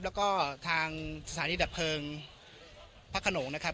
แล้วก็ทางสถานีดับเพลิงพระขนงนะครับ